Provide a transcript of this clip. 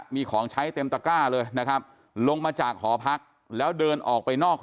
มีของใช้เต็มตะก้าเลยนะครับลงมาจากหอพักแล้วเดินออกไปนอก